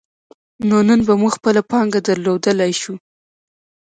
نو نن به موږ خپله پانګه درلودلای شو.